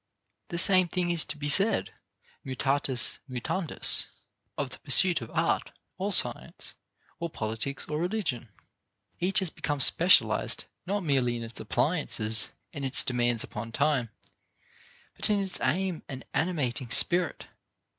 The same thing is to be said, mutatis mutandis, of the pursuit of art or science or politics or religion. Each has become specialized not merely in its appliances and its demands upon time, but in its aim and animating spirit.